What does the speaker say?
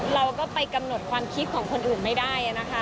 เราก็ไปกำหนดความคิดของคนอื่นไม่ได้นะคะ